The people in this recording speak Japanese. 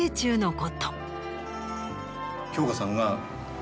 京香さんが。